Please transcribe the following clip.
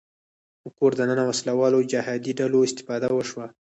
په کور دننه وسله والو جهادي ډلو استفاده وشوه